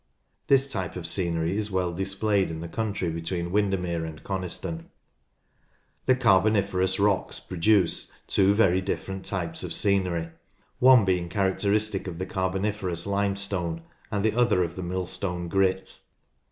This type of scenery is well displayed in the country between Windermere and Coniston. SCENERY 63 The Carboniferous rocks produce two very different types of scenery, one being characteristic of the Carboni ferous Limestone, and the other of the Millstone Grit.